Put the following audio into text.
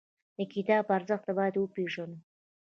د کتاب ارزښت باید وپېژنو.